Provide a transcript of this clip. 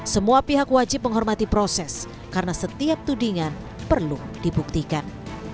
semua pihak wajib menghormati proses karena setiap tudingan perlu dibuktikan